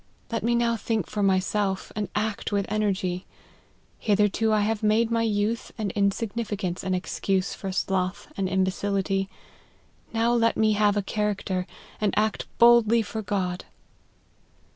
Let me now think for myself, and act with energy. Hitherto I have made my youth and insignificance an excuse for sloth and imbecility : now let me have a cha racter, and act boldly for God."